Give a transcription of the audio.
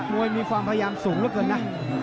มวยมีความพยายามภาระกันนะ